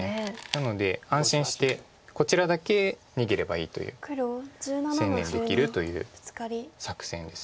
なので安心してこちらだけ逃げればいいという専念できるという作戦です。